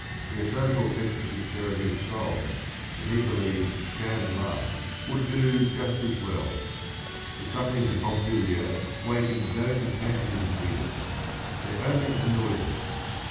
He has so little sense of sincerity of soul that he believed sham love would do just 196 THE RING AND THE BOOK as well. The sufferings of Pompilia wakened no compassion in Guido; they only annoyed him.